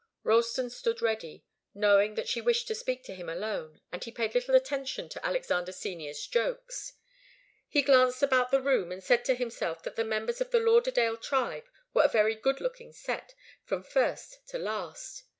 Ralston stood ready, knowing that she wished to speak to him alone, and he paid little attention to Alexander Senior's jokes. He glanced about the room and said to himself that the members of the Lauderdale tribe were a very good looking set, from first to last.